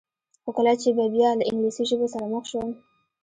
خو کله چې به بیا له انګلیسي ژبو سره مخ شوم.